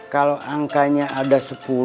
kalau angkanya ada sepuluh